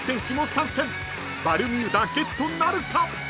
［バルミューダゲットなるか？］